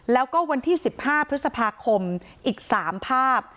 แล้วก็วันที่๑๕พฤษภาคมอีก๓ภาพ